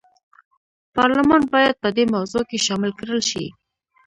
پارلمان باید په دې موضوع کې شامل کړل شي.